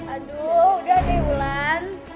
aduh udah deh ulan